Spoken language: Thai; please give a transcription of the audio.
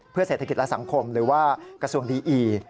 เพื่อเศรษฐกิจและสังคมหรือว่ากระทรวงดีอี